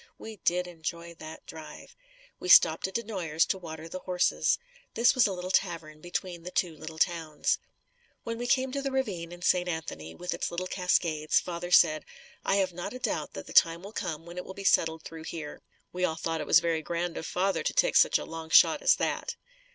We did enjoy that drive. We stopped at DeNoyers to water the horses. This was a little tavern between the two little towns. When we came to the ravine in St. Anthony, with its little cascades, father said, "I have not a doubt that the time will come when it will be settled through here." We all thought it was very grand of father to take such a long shot as that.